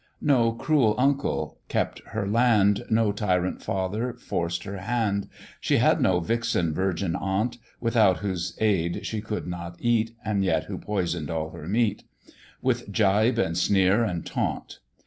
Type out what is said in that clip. No cruel uncle kept her land, No tyrant father forced her hand; She had no vixen virgin aunt, Without whose aid she could not eat, And yet who poison'd all her meat, With gibe and sneer and taunt.